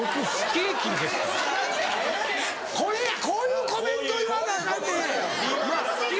これやこういうコメント言わなアカンねん。